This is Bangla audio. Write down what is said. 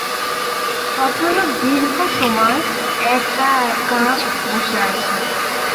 ভদ্রলোক দীর্ঘ সময় এক-একা বসে আছেন।